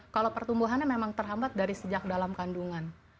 kalau pertumbuhannya memang terhambat dari sejak dalam kandungan